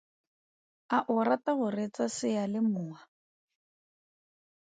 A o rata go reetsa seyalemowa?